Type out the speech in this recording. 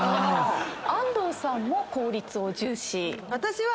安藤さんも効率を重視？